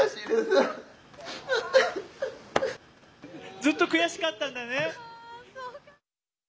ずっと悔しかったんだね。